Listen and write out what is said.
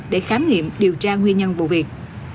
để khám nghiệm điều tra nguyên nhân vụ việc